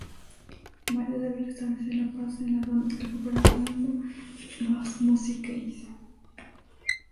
Mario debe restablecer la paz en la zona recuperando las Music Keys.